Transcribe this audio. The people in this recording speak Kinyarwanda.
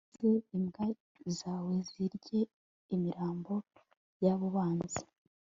maze imbwa zawe zirye imirambo y'abo banzi